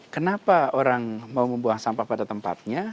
kenapa orang mau membuang sampah pada tempatnya